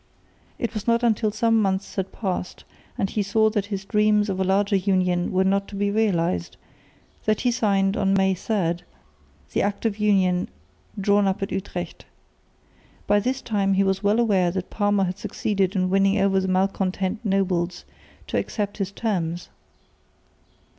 It was not until some months had passed and he saw that his dreams of a larger union were not to be realised, that he signed, on May 3, the Act of Union drawn up at Utrecht. By this time he was well aware that Parma had succeeded in winning over the malcontent nobles to accept his terms.